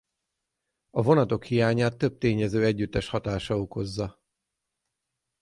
A vonatok hiányát több tényező együttes hatása okozza.